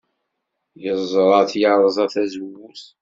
Yeẓra-t yerẓa tazewwut.